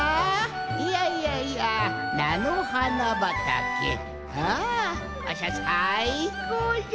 いやいやいやなのはなばたけあわしはさいこうじゃ！